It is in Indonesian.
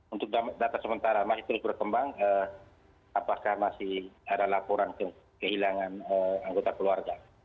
untuk data sementara masih terus berkembang apakah masih ada laporan kehilangan anggota keluarga